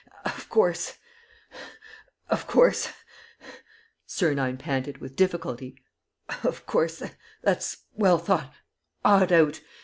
"Of course ... of course," Sernine panted, with difficulty, "of course ... that's well thought out.